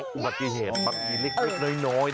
ของมพักเกณฑ์มั่งกี้เล็กน้อย